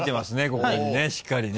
ここにねしっかりね。